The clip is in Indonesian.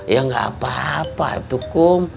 ya nggak apa apa itu kum